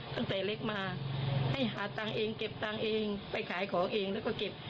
ตั้งแต่เล็กมาให้หาตังค์เองเก็บตังค์เองไปขายของเองแล้วก็เก็บ